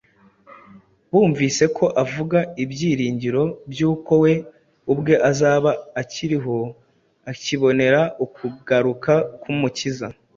Bumvise ko avuga ibyiringiro by’uko we ubwe azaba akiriho akibonera ukugaruka k’Umukiza.